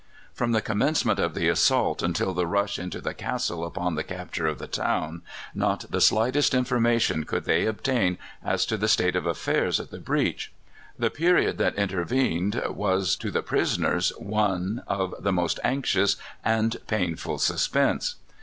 From the commencement of the assault until the rush into the castle upon the capture of the town, not the slightest information could they obtain as to the state of affairs at the breach. The period that intervened was to the prisoners one of the most anxious and painful suspense.